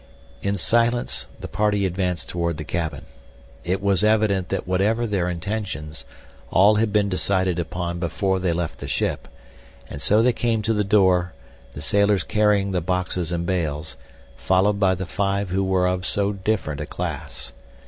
In silence the party advanced toward the cabin. It was evident that whatever their intentions, all had been decided upon before they left the ship; and so they came to the door, the sailors carrying the boxes and bales, followed by the five who were of so different a class.